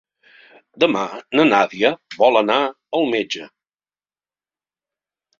Demà na Nàdia vol anar al metge.